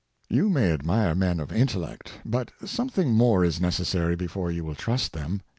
You may admire men of intellect; but something more is necessary before you will trust them.